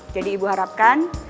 jadi ibu harapkan